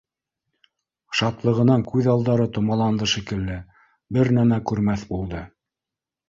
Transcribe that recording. Шатлығынан күҙ алдары томаланды шикелле, бер нәмә күрмәҫ булды